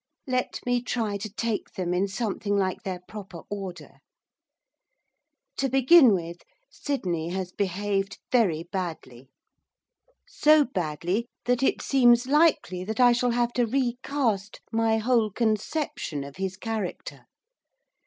Let me try to take them in something like their proper order. To begin with, Sydney has behaved very badly. So badly that it seems likely that I shall have to re cast my whole conception of his character.